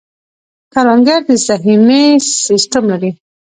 کروندګر د سهمیې سیستم لري.